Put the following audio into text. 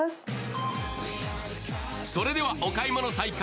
それではお買い物再開。